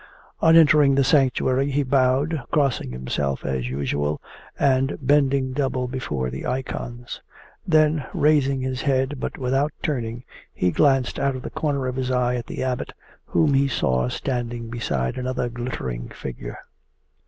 On entering the sanctuary he bowed, crossing himself as usual and bending double before the icons. Then, raising his head but without turning, he glanced out of the corner of his eye at the Abbot, whom he saw standing beside another glittering figure.